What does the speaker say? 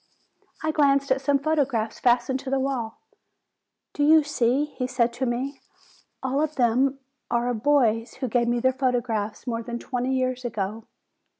I glanced at some photographs fastened to the wall. "Do you see?" he said to me. "All of them are of 1 62 FEBRUARY boys who gave me their photographs more than twenty years ago.